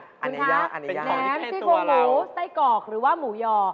คุณคะแหมซี่โครงหมูไส้กรอกหรือว่าหมูยอ